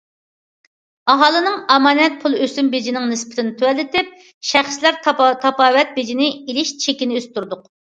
ئاھالىنىڭ ئامانەت پۇل ئۆسۈم بېجىنىڭ نىسبىتىنى تۆۋەنلىتىپ، شەخسلەر تاپاۋەت بېجىنى ئېلىش چېكىنى ئۆستۈردۇق.